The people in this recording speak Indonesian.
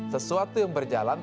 sesuatu yang berjalan